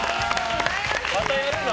またやるの？